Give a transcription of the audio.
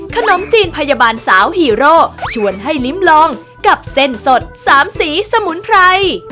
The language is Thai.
ขนมจีนพยาบาลสาวฮีโร่ชวนให้ลิ้มลองกับเส้นสด๓สีสมุนไพร